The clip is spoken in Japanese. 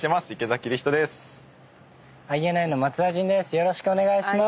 よろしくお願いします。